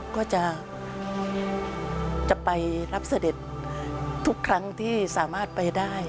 ก็จะไปรับเสด็จทุกครั้งที่สามารถไปได้